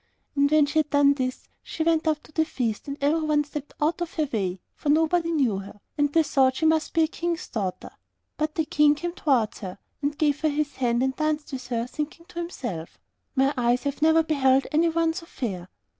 And when she had done this, she went up to the feast, and everyone stepped out of her way, for nobody knew her, and they thought she must be a King's daughter. But the King came towards her and gave her his hand, and danced with her, thinking to himself, 'My eyes have never beheld anyone so fair!